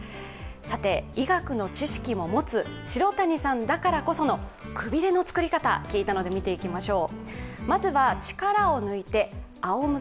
医学の知識も持つ城谷さんだからこそのくびれの作り方、聞いたので見ていきましょう。